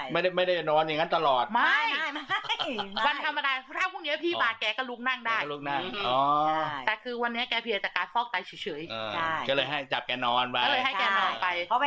แกเพียแกเพียจากการฟอกไตใช่